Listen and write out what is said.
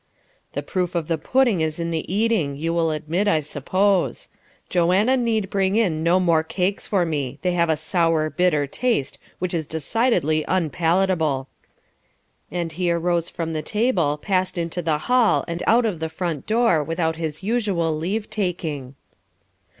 "The proof of the pudding is in the eating, you will admit, I suppose. Joanna need bring in no more cakes for me; they have a sour, bitter taste which is decidedly unpalatable." And he arose from the table, passed into the hall and out of the front door without his usual leave taking.